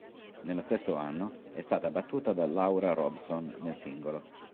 Nello stesso anno è stata battuta da Laura Robson nel singolo.